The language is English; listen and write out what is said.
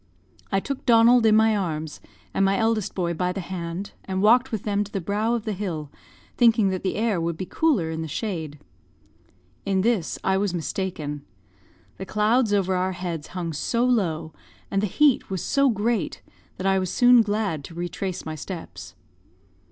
I took Donald in my arms, and my eldest boy by the hand, and walked with them to the brow of the hill, thinking that the air would be cooler in the shade. In this I was mistaken. The clouds over our heads hung so low, and the heat was so great, that I was soon glad to retrace my steps.